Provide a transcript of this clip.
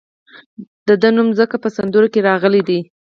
د ده نوم ځکه په سندرو کې راغلی دی.